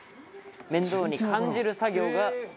面倒に感じる作業が楽になる。